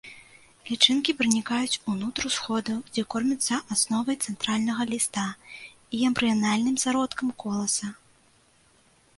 Лічынкі пранікаюць унутр усходаў, дзе кормяцца асновай цэнтральнага ліста і эмбрыянальным зародкам коласа.